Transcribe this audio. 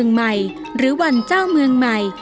สงกรานภาคใต้